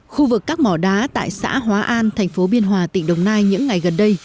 khu vực các mỏ đá tại xã hóa an thành phố biên hòa tỉnh đồng nai những ngày gần đây